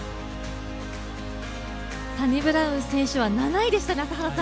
サニブラウン選手は７位でしたね